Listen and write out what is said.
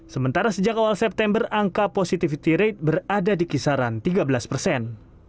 sementara sejak awal september angka positivity rate berada di kisaran tiga belas persen